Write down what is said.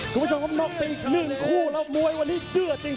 คุณผู้ชมครับน็อกไปอีกหนึ่งคู่แล้วมวยวันนี้เดือดจริง